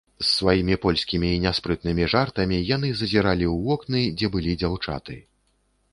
З сваімі польскімі няспрытнымі жартамі яны зазіралі ў вокны, дзе былі дзяўчаты.